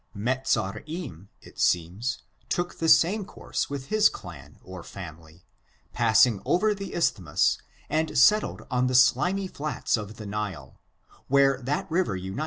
Mezarim, it seems, took the same coiurse with his clan or family, passing over the isthmus, and settled on the slimy flats of the Nile, where that river imites I ' FORTUNES, OF THE NEGRO RACE.